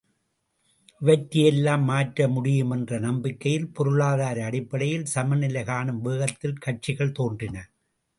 இவற்றை எல்லாம் மாற்ற முடியும் என்ற நம்பிக்கையில் பொருளாதார அடிப்படையில் சமநிலை காணும் வேகத்தில் கட்சிகள் தோன்றின.